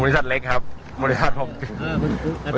ยื่นประมูลครับจำไม่ได้ครับโทษทีครับ